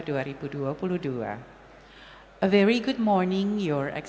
selamat pagi tuan tuan tuan tuan